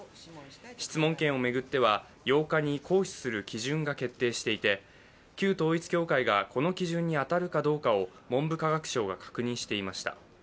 質問権を巡っては８日に行使する基準が決定していて旧統一教会がこの基準に当たるかどうかを文部科学省が確認していました。